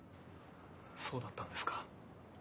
そうだったんですか。